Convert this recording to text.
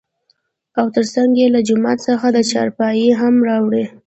او تر څنګ يې له جومات څخه چارپايي هم راوړى .